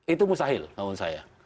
itu mustahil menurut saya